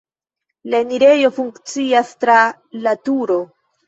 La enirejo funkcias tra laturo.